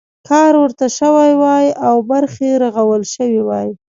کار ورته شوی وای او برخې رغول شوي وای.